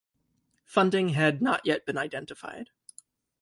Funding had not yet been identified.